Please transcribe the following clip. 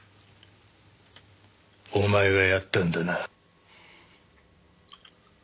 お前がやったんだな？